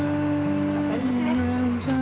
apa yang terjadi